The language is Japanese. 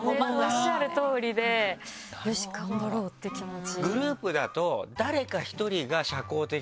おっしゃるとおりでよし頑張ろう！っていう気持ち。